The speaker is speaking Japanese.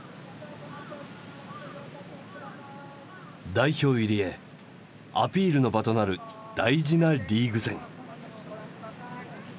代表入りへアピールの場となる大事なリーグ戦。